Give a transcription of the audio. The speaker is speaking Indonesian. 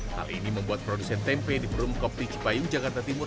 hal ini membuat produsen tempe di perum kopticipayung jakarta timur